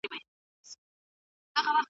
ليکنه به نوره هم اسانه شوې وي.